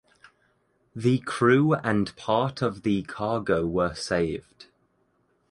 The crew and part of the cargo were saved.